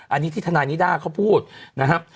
อันนี้ที่ทนายนิด้าเขาพูดนะครับ